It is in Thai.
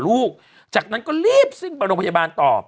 หลังจากนั้นก็รีบสิ้นไปโรงพยาบาลต่อ